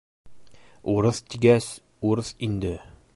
Урыҫ тигәс, урыҫ инде!